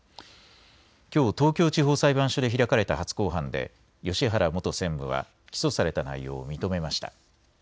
きょう東京地方裁判所で開かれた初公判で芳原元専務は起訴された内容を認めました。